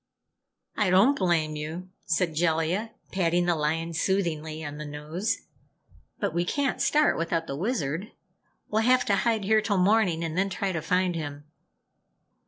"I don't blame you," said Jellia, patting the lion soothingly on the nose. "But we can't start without the Wizard. We'll have to hide here till morning and then try to find him."